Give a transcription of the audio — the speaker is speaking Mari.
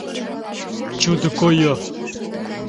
Чудо койо: